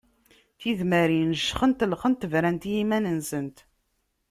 Tidmarin jxent lxent brant i yiman-nsent.